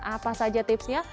apa saja tipsnya